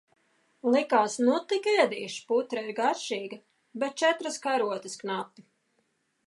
Likās, nu tik ēdīšu, putra ir garšīga, bet četras karotes knapi.